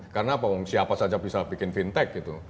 karena siapa saja bisa bikin fintech gitu